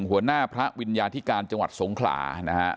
หัวหน้าพระวิญญาธิการจังหวัดสงขลานะฮะ